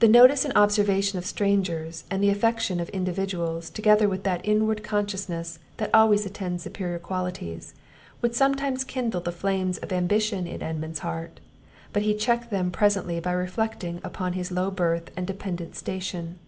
The notice and observation of strangers, and the affection of individuals, together with that inward consciousness that always attends superiour qualities, would sometimes kindle the flames of ambition in Edmund's heart; but he checked them presently by reflecting upon his low birth and dependant station.